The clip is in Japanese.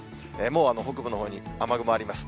もう北部のほうに雨雲あります。